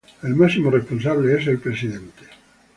El máximo responsable es el presidente.